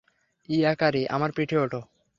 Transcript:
ইয়াকারি, আমার পিঠে ওঠো।